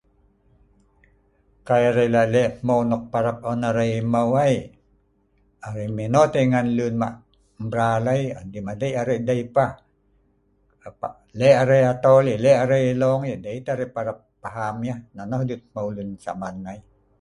Kai arei lak lek hmeu nok parep arei emau ai on arei menot yeh ngen lun mak emral ai madeik arei dei peh lek arei atol yeh lek arei elong yeh dei teh arei parap maat yeh nonah dut emau lun sa’aban ai